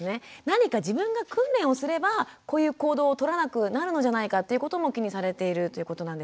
何か自分が訓練をすればこういう行動を取らなくなるんじゃないかということも気にされているということなんですが。